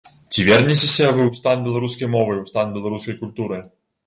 Ці вернецеся вы ў стан беларускай мовы і ў стан беларускай культуры?